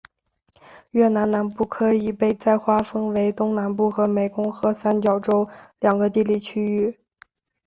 越南南部可以被再划分为东南部和湄公河三角洲两个地理区域。